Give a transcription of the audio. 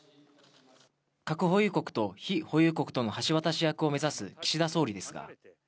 核保有国と非保有国との橋渡し役を目指す岸田総理ですが。